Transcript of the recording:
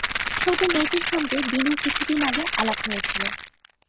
ছোট মেয়েটির সঙ্গে দিনুর কিছু দিন আগে আলাপ হয়েছিল।